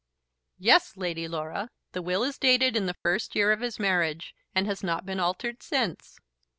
"Yes, Lady Laura. The will is dated in the first year of his marriage, and has not been altered since."